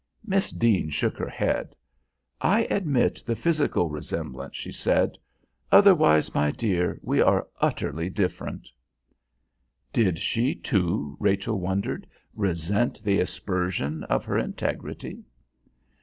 Miss Deane shook her head. "I admit the physical resemblance," she said; "otherwise, my dear, we are utterly different." Did she too, Rachel wondered, resent the aspersion of her integrity?